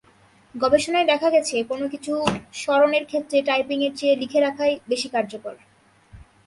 গবেষণায় দেখা গেছে, কোনো কিছু স্মরণের ক্ষেত্রে টাইপিংয়ের চেয়ে লিখে রাখাই বেশি কার্যকর।